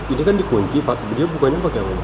ini kan dikunci pak dia bukannya pakai apa